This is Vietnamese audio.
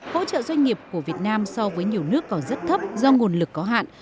hỗ trợ doanh nghiệp của việt nam so với nhiều nước còn rất thấp do nguồn lực có hạn